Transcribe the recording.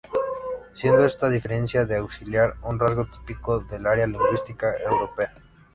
Siendo esta diferencia de auxiliar un rasgo típico del área lingüística europea.